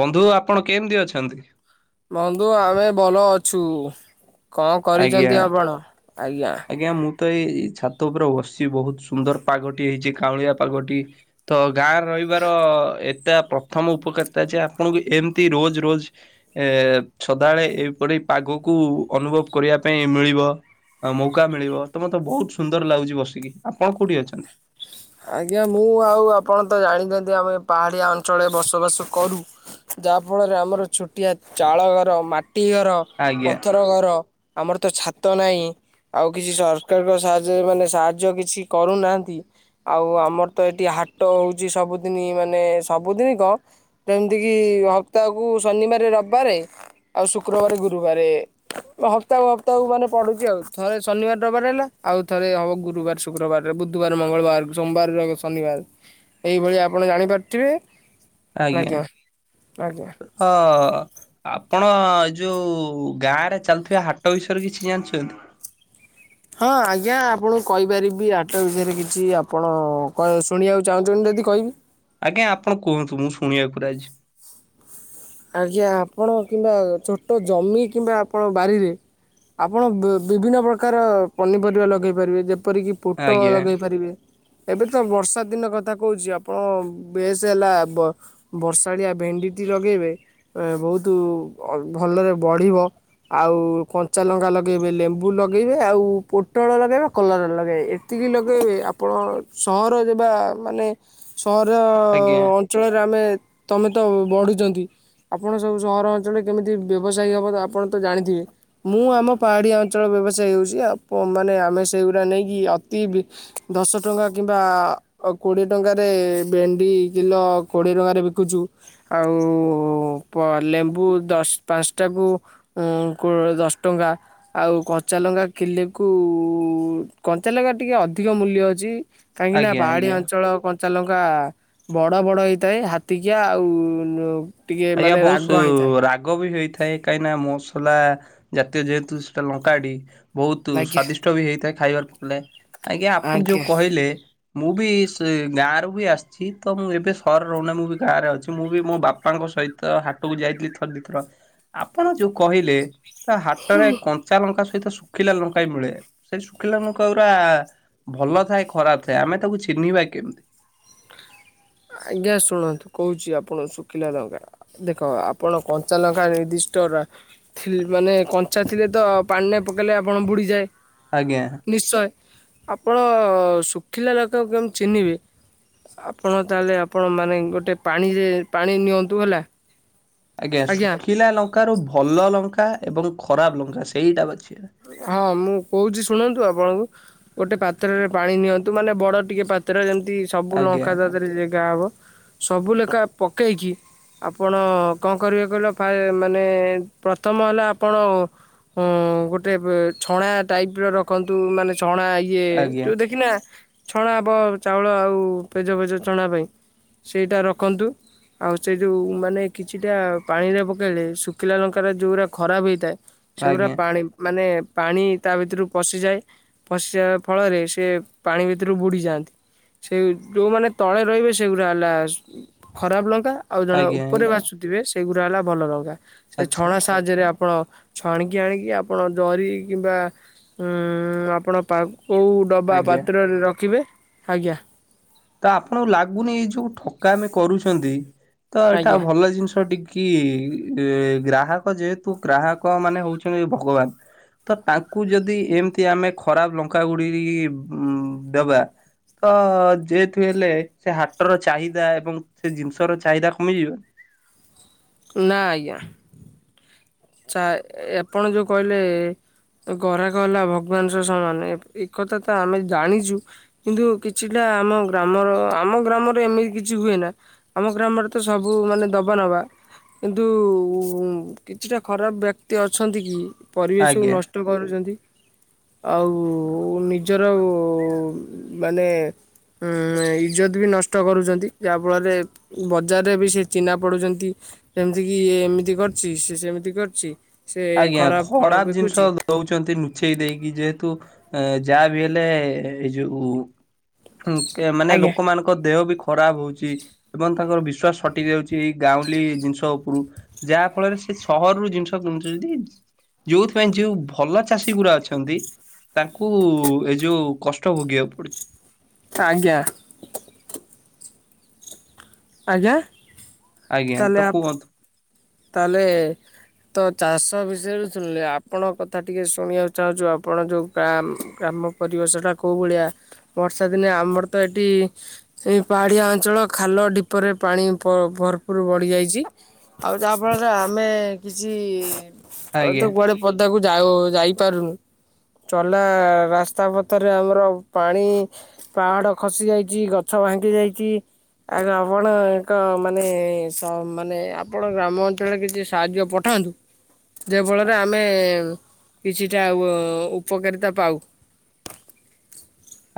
ବନ୍ଧୁ ଆପଣ କେମତି ଅଛନ୍ତି? ବନ୍ଧୁ ଆମେ ଭଲ ଅଛୁ କଣ ଆଜ୍ଞା। କରିଛନ୍ତି ଆପଣ ଆଜ୍ଞା? ଆଜ୍ଞା ମୁଁ ତ ଏଇ ଛାତ ଉପରେ ବସିଛି ବହୁତ ସୁନ୍ଦର ପାଗଟି ହେଇଛି କାଉଁଳିଆ ପାଗଟି। ତ ଗାଁରେ ରହିବାର ଏଟା ପ୍ରଥମ ଉପକାରିତା ଯେ ଆପଣଙ୍କୁ ଏମତି ରୋଜ ରୋଜ ଏ ସଦାବେଳେ ଏହିପରି ପାଗକୁ ଅନୁଭବ କରିବା ପାଇଁ ମିଳିବ। ମୌକା ମିଳିବ ତ ମତେ ତ ବହୁତ ସୁନ୍ଦର ଲାଗୁଛି ବସିକି ଆପଣ କୋଉଠି ଅଛନ୍ତି? ଆଜ୍ଞା ମୁଁ ଆଉ ଆପଣ ତ ଜାଣିଛନ୍ତି ଆମେ ପାହାଡ଼ିଆ ଅଞ୍ଚଳରେ ବସବାସ କରୁ। ଯାହା ଫଳରେ ଆମର ଛୋଟିଆ ଚାଳ ଘର ମାଟି ଘର ଆଜ୍ଞା ପଥ ର ଘର ଆମର ତ ଛାତ ନାହିଁ। ଆଉ କିଛି ସରକାର ର ସାହାଯ୍ୟରେ ମାନେ ସାହାଯ୍ୟ କିଛି କରୁନାହାନ୍ତି। ଆଉ, ଆମର ତ ଏଠି ହାଟ ହଉଛି, ସବୁଦିନ ମାନେ ସବୁଦିନ କଣ? ଯେମତି କିି, ହପ୍ତାହକୁ ଶନିବାରେ ରବ୍ ବାରେ ଆଉ ଶୁକ୍ରବାରେ, ଗୁରୁବାରେ, ହପ୍ତାହକୁ ହପ୍ତାହକୁ ମାନେ ପଡ଼଼ୁଛି ଆଉ। ଥରେ ଶନିବାର ରବାରେ ହେଲେ ଆଉ ଥରେ ହବ, ଗୁରୁବାର ଶୁକ୍ରବାରରେ, ବୁଧବାର, ମଙ୍ଗଳବାର ସୋମବାର ରହିବ ଶନିବାର, ଏଇଭଳି ଆପଣ ଜାଣିପାରୁିଥିବେ। ଆଜ୍ଞା, ଆଜ୍ଞା ତ ଆପଣ ଏ ଯଉ ଗାଁ ରେ, ଚାଲୁଥିବା ହାଟ ବିଷୟରେ କିଛି ଜାଣିଛନ୍ତି? ହଁ, ଆଜ୍ଞା, ଆପଣଙ୍କୁ କହିପାରିବି, ହାଟ ବିଷୟରେ କିଛି ଆପଣ-ଣ କସ୍ ଶୁଣିଆକୁ ଚାହୁଁଛନ୍ତି ଯଦି କହିବି। ଆଜ୍ଞା, ଆପଣ କୁହନ୍ତୁ ମୁଁ ଶୁଣିଆକୁ ରାଜ ଆଜ୍ଞା, ଆପଣ କିମ୍ବା ଛୋଟ ଜମି କିମ୍ବା, ଆପଣ ବାରିରେ ଆପଣ ବିଭିନ୍ନ ପ୍ରକାର ପନିପରିବା ଲଗେଇ ପାରିବେ। ଯେପରିକି ପୋଟଳ ଆଜ୍ଞା। ଲଗେଇ ପାରିବେ। ଏବେ ତ ବର୍ଷା ଦିନ କଥା କହୁଛି, ଆପଣ ବେଶ ହେଲା ବ ବର୍ଷାଳିଆ ଭେଣ୍ଡିଟି ଲଗେଇବେ, ବହୁତ ଭଲରେ ବଢିବ। ଆଉ, କଞ୍ଚା ଲଙ୍କା ଲଗେଇବେ, ଲେମ୍ବୁ ଲଗେଇବେ, ଆଉ ପୋଟଳ ଲଗେଇବେ, କଲର ଲଗେଇବେ। ଏତିକି ଲଗେଇବେ ଆପଣ, ସହର ଯେବା ମାନେ ଆଜ୍ଞା ସହର-ଅ-ଅଞ୍ଚଳରେ ଆମେ ତମେ ତ ବଢୁଛନ୍ତି। ଆପଣ ସବୁ ସହର ଅଞ୍ଚଳରେ କେମିତି ବ୍ୟବସାୟୀ ହେବ, ତ ଆପଣ ତ ଜାଣିଥିବେ। ମୁଁ ଆମ ପାହାଡିଆ ଅଞ୍ଚଳ ବ୍ୟବସାୟ ହେଉଛି ଆ ମାନେ ଆମେ ସେଇଗୁରା ନେଇକି ଅତି ବି ଦଶ ଟଙ୍କା କିମ୍ବା-ଆ ଅ କୋଡିଏ ଟଙ୍କାରେ ଭେଣ୍ଡି କିଲୋ କୋଡିଏ ଟଙ୍କାରେ ବିକୁଛୁ। ଆଉ-ଉ-ପ ଲେମ୍ବୁ ଦଶ ପାଞ୍ଚଟା କୁ ଆ କୋ ଦଶ ଟଙ୍କା ଆଉ କଞ୍ଚା ଲଙ୍କା କିଲେକୁ-ଉ କଞ୍ଚାଲଙ୍କା ଟିକେ ଅଧିକ ମୂଲ୍ୟ ଅଛି। କାହିଁକି ନା, ଆଜ୍ଞା ପାହାଡିଆ ଆଜ୍ଞା ଅଞ୍ଚଳ କଞ୍ଚ ଚାଲଙ୍କା ବଡ ବଡ ହେଇଥାଏ ହାତିକିଆ ଆଉ, ଟିକେ ଆଜ୍ଞା, ମାନେ ବହୁତ ରାଗ ସୁ ହେଇଥାଏ। ରାଗ ବି ହେଇଥାଏ। କାହିଁ ନା ମସଲା ଜାତୀୟ ଯେହେତୁ ସେଟା ଲଙ୍କାଟି ବହୁତ ଆଜ୍ଞା ସ୍ଵାଦିଷ୍ଟ। ତ ବି ହେଇଥାଏ ଖାଇବାର ପଲେ, ଆଜ୍ଞା ଆପଣ ଯୋଉ କହିଲେ ମୁଁ ବି ସେ ଗାଁ ରୁ ବି ଆସିଛି। ତ ମୁଁ ଏବେ ସଅରେ ରହୁନାହିଁ, ମୁଁ ବି ଗାଁରେ ଅଛି। ମୁଁ ବି ମୋ ବାପ୍ ବାପାଙ୍କ ସହିତ ହାଟକୁ ଯାଇଥିଲି, ଥର ଦିଥର ଆପଣ ଯୋଉ କହିଲେ ତା ହାଟରେ କଞ୍ଚା ଲଙ୍କା ସହିତ ଶୁଖିଲା ଲଙ୍କା ବି ମିଳେ, ସେଇ ଶୁଖିଲା ଲଙ୍କା ଗୁରା ଭଲ ଥାଏ, ଖରାପ ଥାଏ, ଆମେ ତାକୁ ଚିହ୍ନିବା କେମିତି? ଆଜ୍ଞା, ଶୁଣନ୍ତୁ କହୁଛି, ଆପଣ ଶୁଖିଲାଲଙ୍କା ଦେଖ ଆପଣ କଞ୍ଚା ଲଙ୍କା ନିର୍ଦ୍ଦିଷ୍ଟ ରା ଥିଲ୍ ମାନେ କଞ୍ଚା ଥିଲେ ତ, ପାଣିରେ ପକେଇଲେ ଆପଣ ବୁଡ଼ିଯାଏ। ଆଜ୍ଞା। ନିଶ୍ଚୟ! ଆପଣ ଶୁଖିଲା ଲକା କୁ କେମିତି ଚିହ୍ନିବେ? ଆପଣ, ତାହେଲେ ଆପଣ ମାନେ, ଗୋଟେ ପାଣିରେ ପାଣି ନିଅନ୍ତୁ, ହେଲା ଆଜ୍ଞା, ଶୁଖିଲା ଲଙ୍କାରୁୁ ଭଲ ଲଙ୍କା ଏବଂ ଖରାପ ଲଙ୍କା ସେଇଟା ବାଛିିବା। ହଁ, ମୁଁ କହୁଛି, ଶୁଣନ୍ତୁ ଆପଣଙ୍କୁ ଗୋଟେ ପାତ୍ରରେ ପାଣି ନିଅନ୍ତୁ, ମାନେ ବଡ ଟିକେ ପାତ୍ର ଯେମିତି ସବୁ ଆଜ୍ଞା ଲଙ୍କା ତାଧେ ରେ ଜେଗାହବ। ସବୁ ଲେଖା ପକେଇକି ଆପଣ କଣ କରିବେ କହିଲେ! ଫାଏ ମାନେ ପ୍ରଥମ ହେଲା ଆପଣ ହୁଁ, ଗୋଟ୍ ରେ ଛଣା ଟାଇପ୍ ର ରଖନ୍ତୁ, ମାନେ ଛଣା ଇଏ ଆଜ୍ଞା ଯୋଉ ଦେଖିନା ଛଣା ହେବ, ଚାଉଳ ଆଉ ପେଜ ଫେଜ ଛଣା ପାଇଁ ସେଇଟା ରଖନ୍ତୁ। ଆଉ, ସେଇ ଯୋଉ ମାନେ କିଛିଟା ପାଣିରେ ପକେଇଲେ ଶୁଖିଲା ଲଙ୍କାର ଯୋଉରା ଖରାପ ହେଇଥାଏ। ସେଗୁରା ଆଜ୍ଞା ପାଣି ମାନେ, ପାଣି ତା ଭିତରୁକୁ ପଶିଯାଏ ଫଶଯିବା ଫଳରେ, ସେ ପାଣି ଭିତରୁ ବୁଡି ଯାଆନ୍ତି। ସେଇ ଯେଉଁମାନେ ତଳେ ରହିବେ ସେଗୁଡ଼ା ହେଲା ଖରାପ ଲଙ୍କା। ଆଉ ଯୋଉଗୁରା ଆଜ୍ଞା ଉପରେ ଆଜ୍ଞା ଭାସୁଥିବେ ସେଗୁଡା ହେଲା ଭଲ ଲଙ୍କା ସେ ଆଚ୍ଛା ଛଣ ସାହାଯ୍ୟରେ ଆପଣ। ଛାଣିକି ଆଣିକି ଆପଣ ଜରିକି ବା ଆପଣ ପା କୋଉଁ। ଡବା ଆଜ୍ଞା। ପାତ୍ରରେ ରଖିବେ ଆଜ୍ଞା। ତ ଆପଣଙ୍କୁ ଲାଗୁନି ଏଇ ଯୋଉ ଠକାମି କରୁଛନ୍ତି ତ ଏଇଟା ଆଜ୍ଞା ଭଲ ଜିନିଷ ଟିକେ। କି ଗ୍ରାହକ ଯେହେତୁ ଗ୍ରାହକ ମାନେ ହଉଛନ୍ତି ଭଗବାନ। ତ ତାଙ୍କୁ ଯଦି ଏମିତି ଆମେ ଖରାପ ଲଙ୍କା ଗୁଡିକି ଦବା। ତ ଯେହେତୁ ହେଲେ ସେ ହାଟର ଚାହିଦା ଏବଂ ସେ ଜିନିଷ ର ଚାହିଦା କମିଯିବନି। ନା ଆଜ୍ଞା। ଚା ଆପଣ ଯୋଉ କହିଲେ। ଗରାଖ ହେଲା ଭଗବାନଙ୍କ ସହ ସମାନ ଏକଥା ତ ଆମେ ଜାଣିଛୁ। କିନ୍ତୁ କିଛିଟା ଆମ ଗ୍ରାମର ଆମ ଗ୍ରାମରେ ଏମିତି କିଛି ହୁଏ ନା। ଆମ ଗ୍ରାମରେ ତ ସବୁ ମାନେ ଦବା ନବା କିନ୍ତୁ। କିଛିଟା ଖରାପ ବ୍ୟକ୍ତି ଅଛନ୍ତି କି ପରିବେଶକୁ ଆଜ୍ଞା ନଷ୍ଟ କରୁଛନ୍ତି। ଆଉ ନିଜର ମାନେ। ଇଜ୍ଜତ ବି ନଷ୍ଟ କରୁଛନ୍ତି ଯାହାଫଳରେ। ବଜାରରେ ବି ସେ ଚିହ୍ନା ପଡୁଛନ୍ତି ଯେମିତି କିି ଇଏ ଏମିତି କରିଛି ସେ। ସେମିତି କରୁଛି ସେ ଆଜ୍ଞା ଖରାପ ଫଳ ଜିନିଷ ବିକୁଛି। ଦଉଛନ୍ତି ନୁଚେଇ ଦେଇକି ଯେହେତୁ ଯାହା ବି ହେଲେ ଏଇ ଯୋଉ। ହ କେ ମାନେ ଆଜ୍ଞା ଲୋକମାନଙ୍କୁ। ତାଙ୍କ ଦେହ ବି ଖରାପ ହଉଛି ଏବଂ ତାଙ୍କର ବିଶ୍ଵାସ ହଟି ଯାଉଛି ଏଇ ଗାଉଁଲି ଜିନିଷ ଉପରୁ। ଯାହା ଫଳରେ ସେ ସହରରୁୁ ଜିନିଷ କିଣୁ। ଛନ୍ତି ଯୋଉଥିପାଇଁ ଯୋଉ ଭଲ ଚାଷୀ ଗୁଡା ଅଛନ୍ତି। ତାଙ୍କୁ ଏ ଯୋଉ କଷ୍ଟ ଭୋଗିବାକୁ ପଡୁଛି। ଆଜ୍ଞା। ଆଜ୍ଞା। ଆଜ୍ଞା ତ କୁହନ୍ତୁ। ତାହାଲେ। ତ ଚାଷ ବିଷୟରେ ଶୁଣିଲେ ଆପଣଙ୍କ କଥା ଟିକି ଶୁଣିବାକୁ ଚାହୁଁଛୁ ଆପଣ ଯେଉଁ କା କାମ। ପରିବେଶ ଟା କେଉଁ ଭଳିଆ ବର୍ଷା ଦିନେ ଆମର ତ ଏଠି। ଏ ପାହାଡିଆ ଅଞ୍ଚଳ ଖାଲ ଢିପରେ ପାଣି ଭ ଭରପୁର୍ ବଢି ଯାଇଛି। ଆଉ ଯାହା ଫଳରେ ଆମେ କିଛି ଆଉ ଆଜ୍ଞା। ତ କୁଆଡେ। ପଦାକୁ ଯାଉ ଯାଇପାରୁନୁ। ଚଲା ରାସ୍ତା ପଥରେ ଆମର ପାଣି। ପାହାଡ ଖସି ଯାଇଛି ଗଛ ଭାଙ୍ଗି ଯାଇଛି। ଆଗ ଆପଣ ଏକ ମାନେ ସ ମାନେ। ଆପଣ ଗ୍ରାମ ଅଞ୍ଚଳରେ କିଛି ସାହାଯ୍ୟ ପଠାନ୍ତୁ ଯାହା ଫଳରେ ଆମେ। କିଛିଟା ଆଁ ଉଁ ଉପକାରିତା ପାଉ।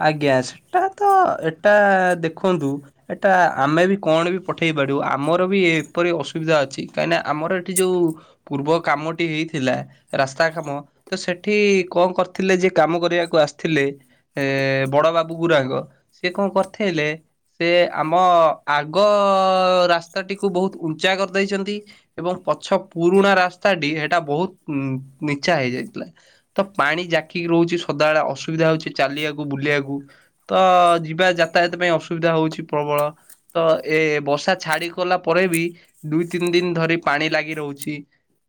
ଆଜ୍ଞା ସେଟା ତ ଏଟା ଦେଖନ୍ତୁ। ଏଟା ଆମେ ବି କଣ ବି ପଠେଇ ପାରିବୁ ଆମର ବି ଏହିପରି ଅସୁବିଧା ଅଛି କାହିଁକିନା ଆମର ଏଠି ଯୋଉ। ପୂର୍ବ କାମଟି ହେଇଥିଲା ରାସ୍ତା କାମ‌। ତ ସେଠି କଣ କରିଥିଲେ ଯେ କାମ କରିବାକୁ ଆସିଥିଲେ। ଏ ବଡ ବାବୁ ଗୁରାକ ସେ କଣ କରିଥିଲେ। ସେ ଆମ ଆଗ ରାସ୍ତାଟିକୁ ବହୁତ ଉଞ୍ଚା କରିଦେଇଛନ୍ତି। ଏବଂ ପଛ ପୁରୁଣା ରାସ୍ତାଟି ଏଇଟା ବହୁତ ନିଚା ହେଇଯାଇଥିଲା। ତ ପାଣି ଜାକିକି ରହୁଛି ସଦାବେଳେ ଅସୁବିଧା ହଉଛି ଚାଲିବାକୁ ବୁଲିବାକୁ। ତ ଯିବା ଯାତାୟାତ ପାଇଁ ଅସୁବିଧା ହଉଛି ପ୍ରବଳ। ତ ଏ ବର୍ଷା ଛାଡିକି ଗଲା ପରେ ବି ଦୁଇ ତିନି ଦିନ ଧରି ପାଣି ଲାଗି ରହୁଛି।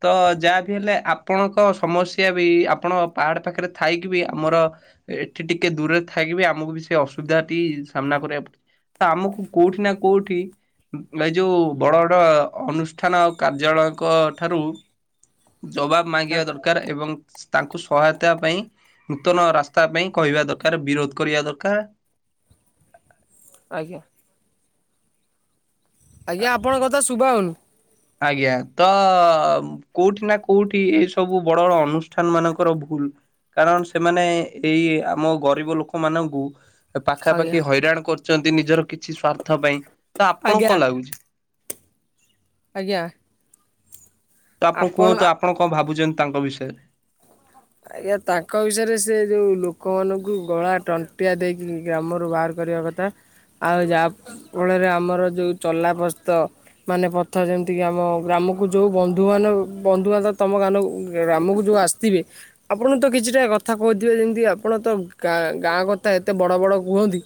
ତ ଯାହାବି ହେଲେ ଆପଣଙ୍କ ସମସ୍ୟା ବି ଆପଣ ପାହାଡ ପାଖରେ ଥାଇକି ବି ଆମର। ଏଠି ଟିକେ ଦୂରରେ ଥାଇକି ବି ଆମକୁ ବି ସେ ଅସୁବିଧା ଟି ସାମ୍ନା କରିବାକୁ ପଡୁଛି। ତ ଆମକୁ କୋଉଠି ନା କୋଉଠି ମେଇ ଯୋଉ ବଡ ବଡ ଅନୁଷ୍ଠାନ ଆଉ କାର୍ଯ୍ୟାଳୟଙ୍କ ଠାରୁ ଜବାବ ମାଗିବା ଆଜ୍ଞା ଦରକାର ଏବଂ ତାଙ୍କୁ ସହାୟତା ପାଇଁ ନୂତନ ରାସ ତା ପାଇଁ କହିବା ଦରକାର ବିରୋଧ କରିବା ଦରକାର। ଆଜ୍ଞା। ଆଜ୍ଞା ଆପଣ କଥା ଶୁଭା ହୋଉନୁ। ଆଜ୍ଞା ତ କୋଉଠି ନା କୋଉଠି ଏଇ ସବୁ ବଡ ବଡ ଅନୁଷ୍ଠାନ ମାନଙ୍କର ଭୁଲ। କାରଣ ସେମାନେ ଏଇ ଆମ ଗରିବ ଲୋକ ମାନଙ୍କୁ ଏ ଆଜ୍ଞା ପାଖାପାଖି ହଇରାଣ କରୁଚନ୍ତି ନିଜର କିଛି ସ୍ଵାର୍ଥ ପାଇଁ ତ ଆପଣଙ୍କୁ ଆଜ୍ଞା କଁ ଲାଗୁଚି। ଆଜ୍ଞା। ତ ଆପଣ କୁହତୁ ଆପଣ କଁ ଭାବୁଚନ୍ତି ତାଙ୍କ ବିଷୟରେ? ଆଜ୍ଞା ତାଙ୍କ ବିଷୟରେ ସେ ଯୋଉ ଲୋକମାନଙ୍କୁ ଗଳା ଟଣ୍ଟିଆ ଦେଇକି ଗ୍ରାମରୁ ବାହାର କରିବା କଥା ଆଉ ଯାହା କୋଳରେ ଆମର ଯେଉଁ ଚଲାପସ୍ତ ମାନେ ପଥ ଯେମିତି କି ଆମ ଗ୍ରାମକୁ ଯୋଉ ବନ୍ଧୁ ମାନ ବନ୍ଧୁବାନ୍ଧ ତମ ଗାନକୁ ଗ୍ରାମକୁ ଯୋଉ ଆସ ତିବେ ଆପଣ ତ କିଛିଟା କଥା କହୁଥିବେ ଯେମିତି ଆପଣ ତ ଗାଁ ଗାଁ କଥା ଏତେ ବଡ ବଡ କୁହନ୍ତି?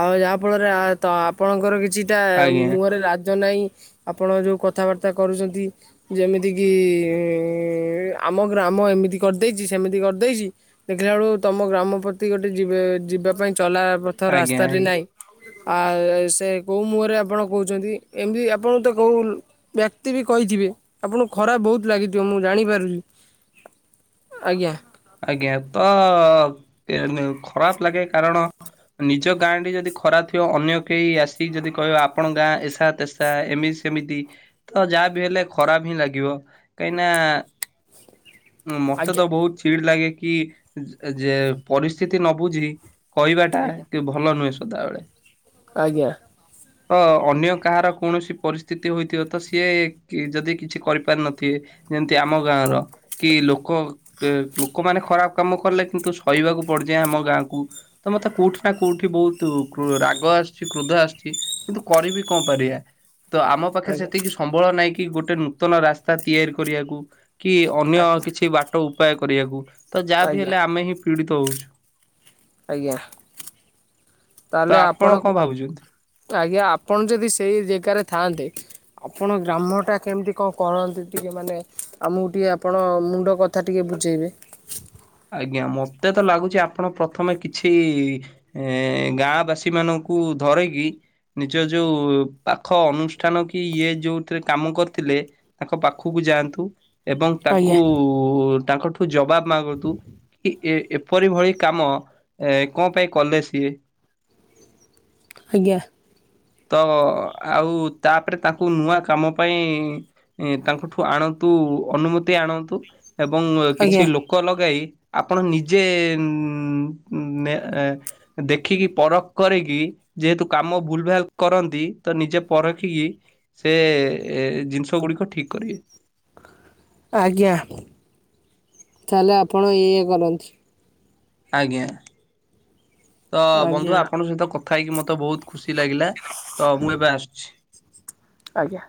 ଆଉ ଯାହା ଫଳରେ ଆଏ ତ ଆପଣଙ୍କର କିଛିଟା ଆଜ୍ଞା ମୁହରେ ରାଜ ନାହିଁ। ଆପଣ ଯେଉ କଥାବାର୍ତ୍ତା କରୁଚନ୍ତି ଯେମିତି କିିଇ ଆମ ଗ୍ରାମ ଏମିତି କର ଦେଇଚି ସେମିତି କରିଦେଇଚି ଦେଖିଲା ବେଳୁ ତମ ଗ୍ରାମ ପ୍ରତି ଗୋଟେ ଯିବେ ଯିବା ପାଇଁ ଚଲା ପ ଥ ଆଜ୍ଞା ରାସ୍ତାରି ଆଜ୍ଞା। ନାହିଁ। ଆ ସେ କୋଉ ମୁହଁରେ ଆପଣ କହୁଚନ୍ତି ଏମବି ଆପଣ ତ କୋଉ ବ୍ୟକ୍ତି ବି କହିଥିବେ ଆପଣଙ୍କୁ ଖରାପ ବହୁତ ଲାଗିଥିବ ମୁଁ ଜାଣିପାରୁଚୁ। ଆଜ୍ଞା। ଆଜ୍ଞା ତ ଏ ନିୟୁ ଖରାପ ଲାଗେ କାରଣ ନିଜ ଗାଁ ଟି ଯଦି ଖରା ଥିବ ଅନ୍ୟ କେହି ଆସିକି ଯଦି କହିବ ଆପଣ ଗାଁ ଏସା ତେସ ତା ଏମିତି ସେମିତି ତ ଯାହା ବି ହେଲେ ଖରାପ ହିଁ ଲାଗିବ। କାହିଁନା ମତେ ତ ଆଜ୍ଞା ବହୁତ ଚିଡ ଲାଗେ କି ଏଯେ ପରିସ୍ଥିତି ନ ବୁଝି କହିବାଟା ଆଜ୍ଞା କି ଭଲ ନୁହେଁ ସଦାବେଳେ। ଆଜ୍ଞା। ହଁ ତ ଅନ୍ୟ କାହାର କୌଣସି ପରିସ୍ଥିତି ହୋଇଥିବ ତ ସିଏ କି ଯଦି କିଛି କରିପାରିନଥିବେ ଯେମିତି ଆମ ଗାଁର କି ଲୋକ ଏ ଲୁକମାନେ ଖରାପ କାମ କଲେ କିନ୍ତୁ ସହିବାକୁ ପଡଯାଏ ଆମ ଗାଁ କୁ। ତ ମତେ କୋଉଠି ନା କୋଉଠି ବହୁତ କୃ ରାଗ ଆସଚି କୃଦ ଆସୁଚି କିନ୍ତୁ କରିବି କଁ ପରିବା ତ ଆମ ପାଖରେ ଆଜ୍ଞା ସେତିକି ସମ୍ବଳ ନାଇଁ କି ଗୋଟେ ନୂତନ ରାସ୍ତା ତିଆରି କରିବାକୁ କି ଅନ୍ୟ ଆଜ୍ଞା କିଛି ବା ପାୟ କରିବାକୁ ତ ଯାହା ବିି ଆଜ୍ଞା ହେଲେ ଆମେ ହିଁ ପୀଡିତ ହଉଛୁ। ଆଜ୍ଞା ତ ତାହେଲେ ଆପଣ କଣ କୁ ଭାବୁଛନ୍ତି? ଆଜ୍ଞା ଆପଣ ଯଦି ସେଇ ଯେଗାରେ ଥାଆନ୍ତେ ଆପଣ ଗ୍ରାମଟା କେମିତି କଁ କରନ୍ତି ଟିକେ ମାନେ ଆମକୁ ଟିଏ ଆପଣ ମୁଣ୍ଡ କ ଥା ଟିକେ ବୁଝେଇବେ। ଆଜ୍ଞା ମତେ ତ ଲାଗୁଚି ଆପଣ ପ୍ରଥମେ କିଛି ଏ ଗାଁ ବାସୀ ମାନଙ୍କୁ ଧରେକି ନିଜ ଯୋଉ ପାଖ ଅନୁଷ୍ଠାନ କି ଇଏ ଯୋଉଥିରେ କାମ କରିଥିଲେ ତାଙ୍କ ପାଖକୁ ଯାଆନ୍ତୁ ଏବଂ ଆଜ୍ଞା ତାଙ୍କୁ ତାଙ୍କଠୁ ଜବାବ ମାଗନ୍ତୁ। କି ଏ ଏପରି ଭଳି କାମ ଏ କଁ ପାଇଁ କଲେ ସିଏ। ଆଜ୍ଞା। ତ ଆଉ ତାପରେ ତାଙ୍କୁ ନୂଆ କାମ ପାଇଁ ତାଙ୍କଠୁ ଆଣନ୍ତୁ ଅନୁମତି ଆଣନ୍ତୁ ଏବଂ କିଛି ଆଜ୍ଞା ଲୋକ ଲଗାଇ ଆପଣ ନିଜେ ଦେଖିକି ପରଖ କରିକି ଯେହେତୁ କାମ ଭୁଲ ଭାଲ କରନ୍ତି। ତ ନିଜେ ପରଖିକି ସେ ଜିନିଷ ଗୁଡିକ ଠିକ୍‌ କରିବେ। ଆଜ୍ଞା। ତାହେଲେ ଆପଣ ଇଏ କରନ୍ତୁ। ଆଜ୍ଞା। ତ ବନ୍ଧୁ ଆଜ୍ଞା। ଆପଣଙ୍କ ସହିତ କ ଥାଇକି ମତେ ବହୁତ ଖୁସି ଲାଗିଲା। ତ ମୁଁ ଏବେ ଆସୁଛି। ଆଜ୍ଞା।